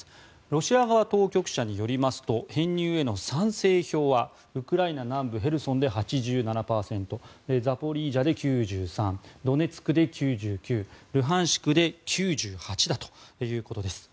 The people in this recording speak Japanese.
ロシア側当局者によりますと編入への賛成票はウクライナ南部ヘルソンで８７％ザポリージャで９３ドネツクで９９ルハンシクで９８だということです。